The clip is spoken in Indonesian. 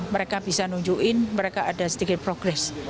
mereka bisa nunjukin mereka ada sedikit progres